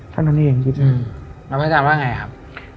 ทั้งนั้นเองพี่แจ๊กอืมแล้วพี่แจ๊กว่าไงครับ